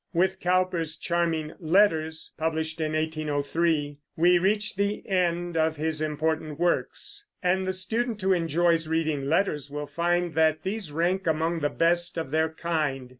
With Cowper's charming Letters, published in 1803, we reach the end of his important works, and the student who enjoys reading letters will find that these rank among the best of their kind.